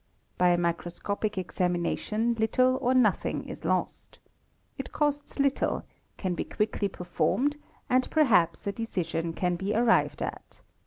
By a microscopic examination little or nothing is lost. It costs little, can be quickly per _ formed, and perhaps a decision can be arrived at.